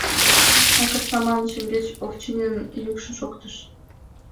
— Акыр саман! — шеҥгеч Овчининын йӱкшӧ шоктыш.